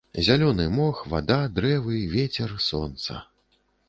Зялёны мох, вада, дрэвы, вецер, сонца.